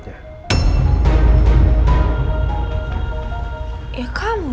yang enak banget